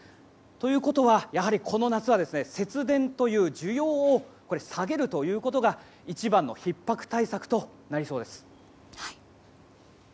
ということは、やはりこの夏は節電という需要を下げるということが、一番のひっ迫対策となりそうです。